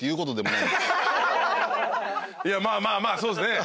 いやまあまあまあそうですね。